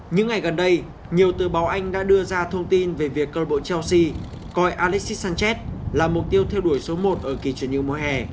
những ngày gần đây nhiều tờ báo anh đã đưa ra thông tin về việc cầu lục bộ chelsea coi alexis sanchez là mục tiêu theo đuổi số một ở kỳ truyền hữu mùa hè